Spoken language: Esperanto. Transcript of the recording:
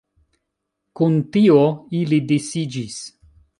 Kun tio ili disiĝis.